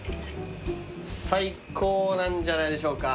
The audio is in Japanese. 最高なんじゃないでしょうか。